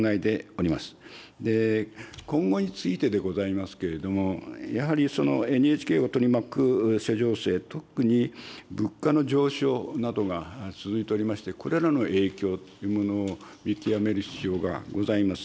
今後についてでございますけれども、やはりＮＨＫを取り巻く諸情勢、特に物価の上昇などが続いておりまして、これらの影響というものを見極める必要がございます。